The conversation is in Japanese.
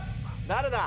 誰だ？